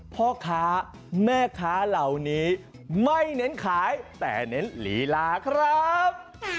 พ่อค้าแม่ค้าเหล่านี้ไม่เน้นขายแต่เน้นลีลาครับ